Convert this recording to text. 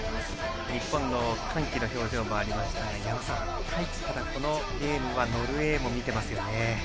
日本の歓喜の表情もありましたがただ、このゲームはノルウェーも見てますよね。